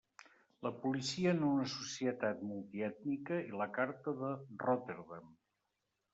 La policia en una societat multi ètnica i la carta de Rotterdam.